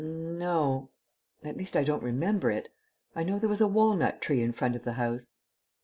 "N no; at least I don't remember it. I know there was a walnut tree in front of the house."